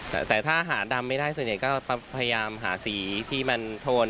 แต่ถ้าหาดำไม่ได้ส่วนใหญ่ก็พยายามหาสีที่มันโทน